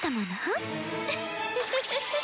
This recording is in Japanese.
ウフフフフ。